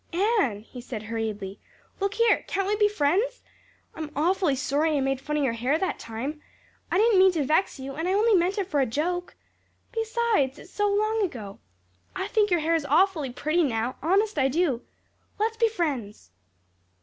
"Anne," he said hurriedly, "look here. Can't we be good friends? I'm awfully sorry I made fun of your hair that time. I didn't mean to vex you and I only meant it for a joke. Besides, it's so long ago. I think your hair is awfully pretty now honest I do. Let's be friends."